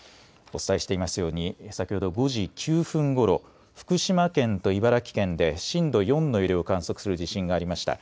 お伝えしていますように、先ほど５時９分ごろ、福島県と茨城県で震度４の揺れを観測する地震がありました。